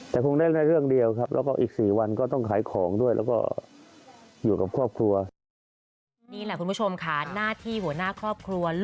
แต่คงได้แค่เรื่องเดียวครับแล้วก็อีก๔วันก็ต้องขายของด้วยแล้วก็อยู่กับครอบครัว